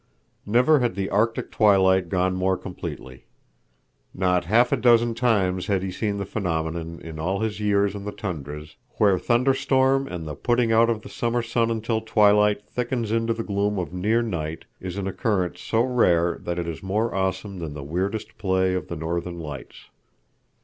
Never had the arctic twilight gone more completely. Not half a dozen times had he seen the phenomenon in all his years on the tundras, where thunder storm and the putting out of the summer sun until twilight thickens into the gloom of near night is an occurrence so rare that it is more awesome than the weirdest play of the northern lights.